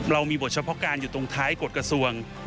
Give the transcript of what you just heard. เรามีบทเฉพาะการอยู่ตรงท้ายกฎกระทรวง